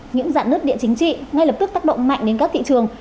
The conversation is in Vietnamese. những dạ nứt địa chính trị ngay lập tức tác động mạnh đến các thị trường